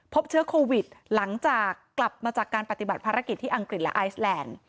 พบเชื้อโควิดหลังจากกลับมาจากการปฏิบัติภารกิจที่อังกฤษและไอซแลนด์